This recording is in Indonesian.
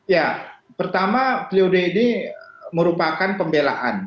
ya pertama priode ini merupakan pembelaan